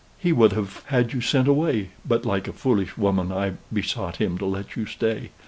He would have had you sent away, but, like a foolish woman, I besought him to let you stay.